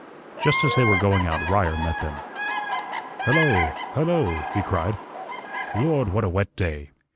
Just as they were going out Ryer met them. "Hello, hello," he cried. "Lord, what a wet day!